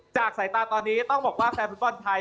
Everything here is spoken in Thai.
สายตาตอนนี้ต้องบอกว่าแฟนฟุตบอลไทย